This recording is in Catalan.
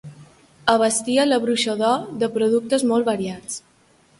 Abastia la Bruixa d'Or de productes molt variats.